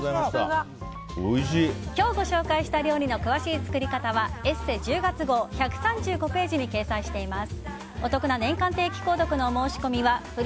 今日ご紹介した料理の詳しい作り方は「ＥＳＳＥ」１０月号１３５ページに掲載しています。